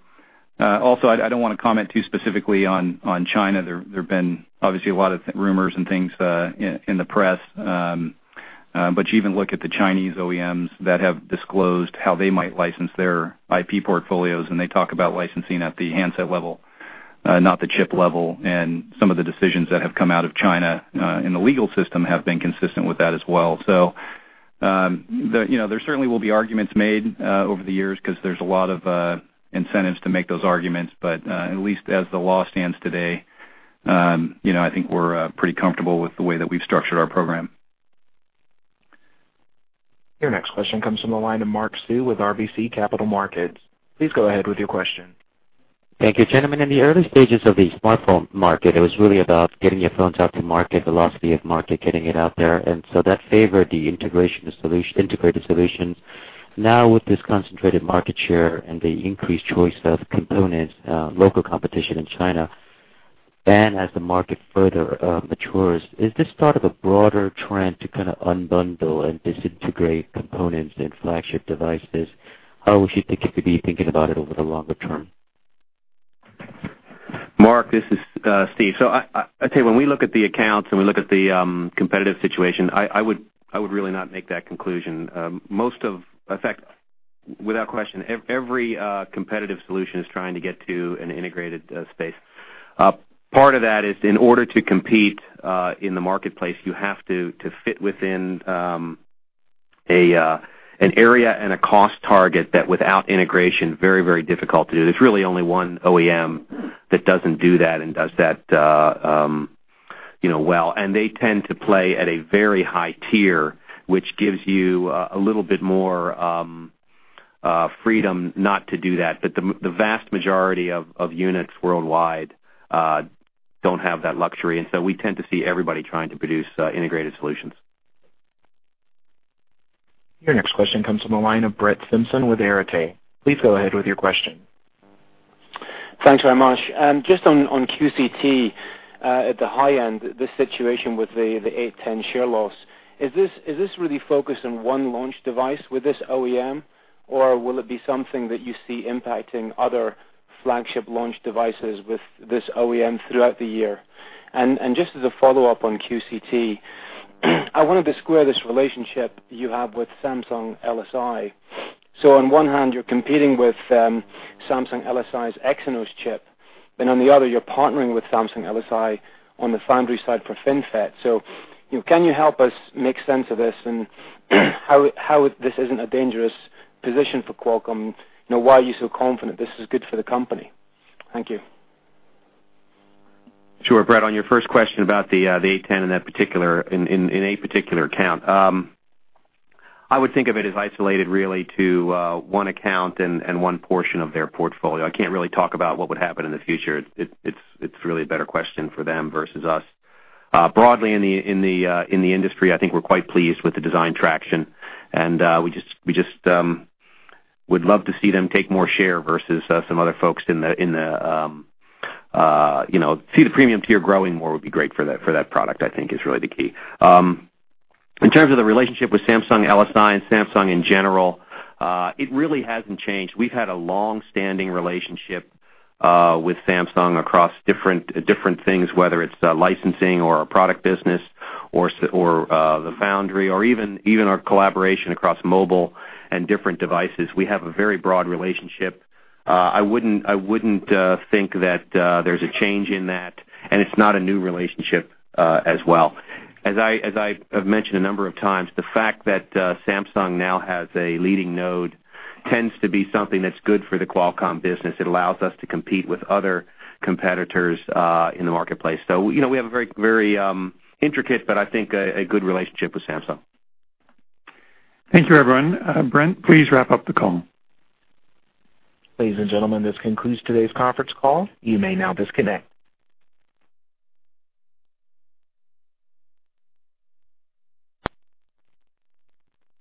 Also, I don't want to comment too specifically on China. There have been obviously a lot of rumors and things in the press. You even look at the Chinese OEMs that have disclosed how they might license their IP portfolios, and they talk about licensing at the handset level, not the chip level. Some of the decisions that have come out of China in the legal system have been consistent with that as well. There certainly will be arguments made over the years because there's a lot of incentives to make those arguments. At least as the law stands today, I think we're pretty comfortable with the way that we've structured our program. Your next question comes from the line of Mark Sue with RBC Capital Markets. Please go ahead with your question. Thank you, gentlemen. In the early stages of the smartphone market, it was really about getting your phones out to market, velocity of market, getting it out there, That favored the integrated solutions. Now, with this concentrated market share and the increased choice of components, local competition in China, and as the market further matures, is this part of a broader trend to kind of unbundle and disintegrate components in flagship devices? How should we be thinking about it over the longer term? Mark, this is Steve. I tell you, when we look at the accounts and we look at the competitive situation, I would really not make that conclusion. In fact, without question, every competitive solution is trying to get to an integrated space. Part of that is in order to compete in the marketplace, you have to fit within an area and a cost target that without integration, very, very difficult to do. There's really only one OEM that doesn't do that and does that well. They tend to play at a very high tier, which gives you a little bit more freedom not to do that. The vast majority of units worldwide don't have that luxury, We tend to see everybody trying to produce integrated solutions. Your next question comes from the line of Brett Simpson with Arete Research. Please go ahead with your question. Thanks very much. Just on QCT, at the high end, this situation with the 810 share loss, is this really focused on one launch device with this OEM, or will it be something that you see impacting other flagship launch devices with this OEM throughout the year? Just as a follow-up on QCT, I wanted to square this relationship you have with Samsung LSI. On one hand, you're competing with Samsung LSI's Exynos chip, and on the other, you're partnering with Samsung LSI on the foundry side for FinFET. Can you help us make sense of this and how this isn't a dangerous position for Qualcomm? Why are you so confident this is good for the company? Thank you. Sure, Brett, on your first question about the 810 in a particular account, I would think of it as isolated really to one account and one portion of their portfolio. I can't really talk about what would happen in the future. It's really a better question for them versus us. Broadly in the industry, I think we're quite pleased with the design traction, and we just would love to see them take more share versus some other folks. See the premium tier growing more would be great for that product, I think is really the key. In terms of the relationship with Samsung LSI and Samsung in general, it really hasn't changed. We've had a long-standing relationship with Samsung across different things, whether it's licensing or our product business or the foundry or even our collaboration across mobile and different devices. We have a very broad relationship. I wouldn't think that there's a change in that, and it's not a new relationship as well. As I have mentioned a number of times, the fact that Samsung now has a leading node tends to be something that's good for the Qualcomm business. It allows us to compete with other competitors in the marketplace. We have a very intricate, but I think a good relationship with Samsung. Thank you, everyone. Brent, please wrap up the call. Ladies and gentlemen, this concludes today's conference call. You may now disconnect.